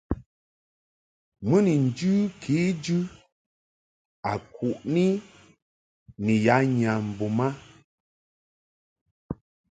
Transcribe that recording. Mɨ ni njɨ kejɨ a kuʼni ni ya nyambum a.